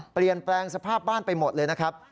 เปลี่ยนแปลงสภาพบ้านไปหมดเลยนะครับ